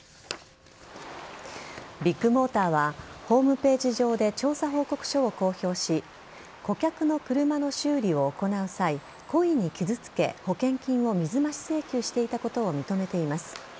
ビッグモーターはホームページ上で調査報告書を公表し顧客の車の修理を行う際故意に傷つけ、保険金を水増し請求していたことを認めています。